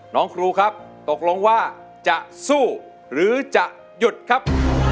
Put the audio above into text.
น้องครูครับตกลงว่าจะสู้หรือจะหยุดครับ